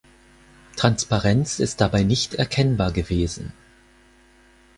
Transparenz ist dabei nicht erkennbar gewesen.